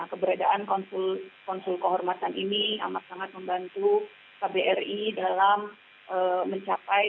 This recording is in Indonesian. keberadaan konsul kehormatan ini amat sangat membantu kbri dalam mencapai